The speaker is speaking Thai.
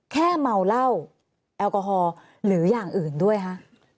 เมาเหล้าแอลกอฮอล์หรืออย่างอื่นด้วยคะ